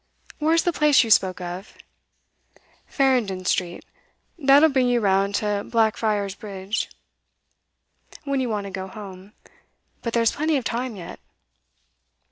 'Where's the place you spoke of?' 'Farringdon Street. That'll bring you round to Blackfriars Bridge, when you want to go home. But there's plenty of time yet.